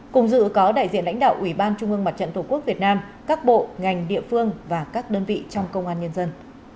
cùng dự có đại diện lãnh đạo ủy ban trung ương mặt trận tổ quốc việt nam các bộ ngành địa phương và các đơn vị trong công an nhân dân